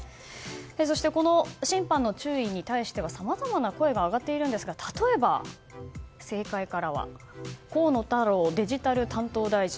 そして、審判の注意に対してはさまざまな声が上がっているんですが例えば、政界からは河野太郎デジタル担当大臣。